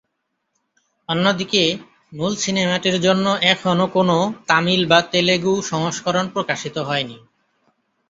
অন্যদিকে, মূল সিনেমাটির জন্য এখনও কোনও তামিল বা তেলুগু সংস্করণ প্রকাশিত হয়নি।